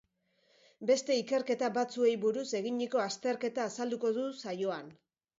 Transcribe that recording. Beste ikerketa batzuei buruz eginiko azterketa azalduko du saioan.